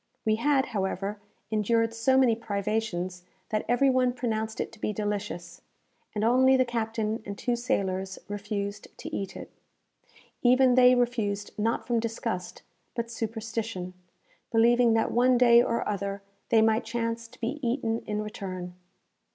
We had, however, endured so many privations that every one pronounced it to be delicious, and only the captain and two sailors refused to eat it. Even they refused not from disgust, but superstition, believing that one day or other they might chance to be eaten in return.